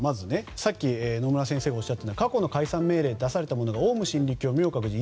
さっき野村先生がおっしゃっていたのは過去に解散命令が出されたものはオウム真理教、明覚寺。